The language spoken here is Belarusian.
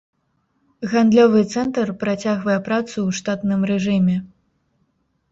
Гандлёвы цэнтр працягвае працу ў штатным рэжыме.